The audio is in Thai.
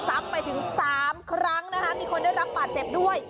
ซ้ำไปถึง๓ครั้งนะคะมีคนได้รับบาดเจ็บด้วย